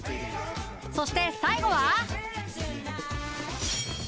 そして最後は。